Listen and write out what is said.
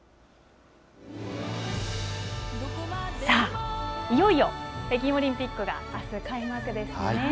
さあ、いよいよ北京オリンピックがあす、開幕ですね。